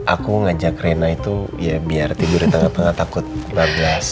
aku ngajak rena itu ya biar tidur di tengah tengah takut bablas